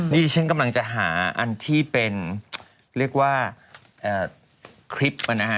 นี่ฉันกำลังจะหาอันที่เป็นเรียกว่าคลิปนะฮะ